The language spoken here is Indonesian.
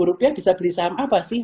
rp seratus bisa beli saham apa sih